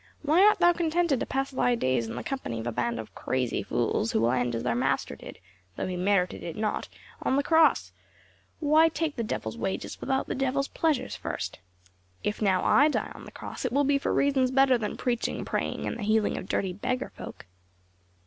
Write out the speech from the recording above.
Why art thou contented to pass thy days in the company of a band of crazy fools, who will end as their Master did though he merited it not on the cross. Why take the devil's wages without the devil's pleasures first? If now, I die on the cross, it will be for reasons better than preaching, praying, and the healing of dirty beggar folk."